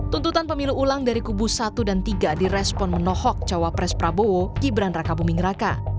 tuntutan pemilu ulang dari kubu satu dan tiga direspon menohok cawa pres prabowo kibran raka bumingraka